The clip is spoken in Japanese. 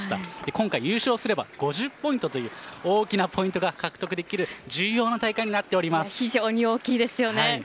今回優勝すれば５０ポイントという大きなポイントが獲得できる非常に大きいですよね。